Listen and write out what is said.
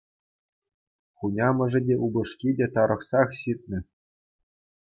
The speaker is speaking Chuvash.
Хунямӑшӗ, те упӑшки те тарӑхсах ҫитнӗ.